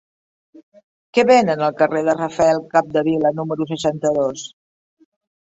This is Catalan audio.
Què venen al carrer de Rafael Capdevila número seixanta-dos?